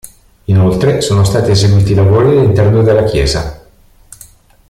Inoltre sono stati eseguiti lavori all'interno della Chiesa.